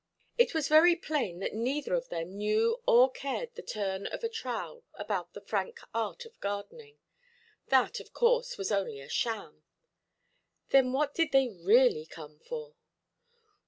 It was very plain that neither of them knew or cared the turn of a trowel about the frank art of gardening; that, of course, was only a sham; then what did they really come for?